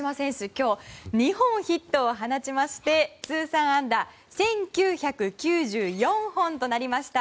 今日、２本ヒットを放ちまして通算安打１９９４本となりました。